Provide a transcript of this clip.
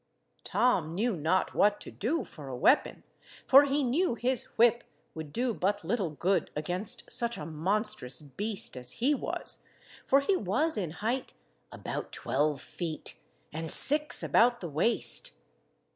Tom knew not what to do for a weapon, for he knew his whip would do but little good against such a monstrous beast as he was, for he was in height about twelve feet, and six about the waist.